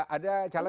ada caleg yang